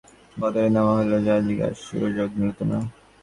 জাহাজ জেটিতে ভেড়ার পরদিন বন্দরে নেওয়া হলেও জাহাজীকরণের সুযোগ মিলত না।